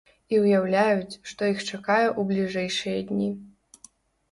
І ўяўляюць, што іх чакае ў бліжэйшыя дні.